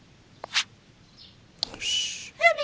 よし。